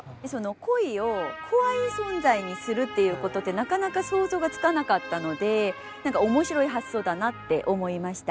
鯉を怖い存在にするっていうことってなかなか想像がつかなかったので面白い発想だなって思いました。